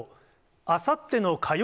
あさっての火曜